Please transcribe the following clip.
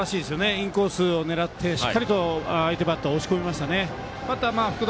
インコースを狙ってしっかりと相手バッターを押さえ込みましたね。